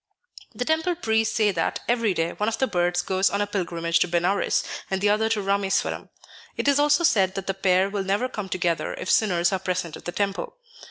The temple priests say that, every day, one of the birds goes on a pilgrimage to Benares, and the other to Ramesvaram. It is also said that the pair will never come together, if sinners are present at the temple.